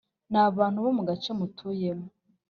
Ni abantu bo mu gace mutuyemo